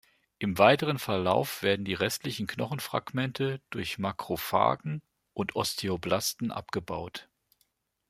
Im weiteren Verlauf werden die restlichen Knochenfragmente durch Makrophagen und Osteoblasten abgebaut.